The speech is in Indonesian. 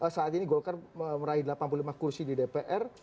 saat ini golkar meraih delapan puluh lima kursi di dpr